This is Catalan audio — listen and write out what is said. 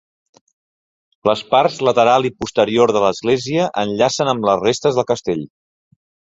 Les parts lateral i posterior de l'església enllacen amb les restes del castell.